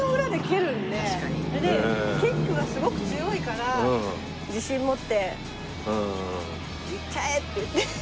キックがすごく強いから自信持っていっちゃえ！って言って。